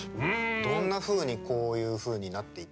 どんなふうにこういうふうになっていったのか。